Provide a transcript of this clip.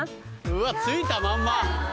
うわついたまんま。